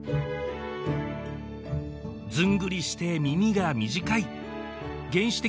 ずんぐりして耳が短い原始的